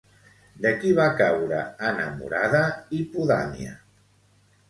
De qui va caure enamorada Hipodamia?